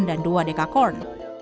dan dua dekakorn